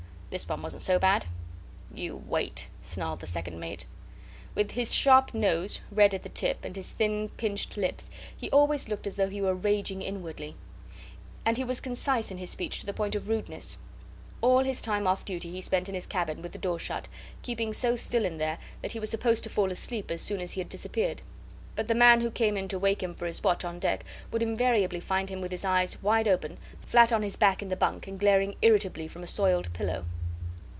This one wasn't so bad." "You wait," snarled the second mate. With his sharp nose, red at the tip, and his thin pinched lips, he always looked as though he were raging inwardly; and he was concise in his speech to the point of rudeness. All his time off duty he spent in his cabin with the door shut, keeping so still in there that he was supposed to fall asleep as soon as he had disappeared; but the man who came in to wake him for his watch on deck would invariably find him with his eyes wide open, flat on his back in the bunk, and glaring irritably from a soiled pillow.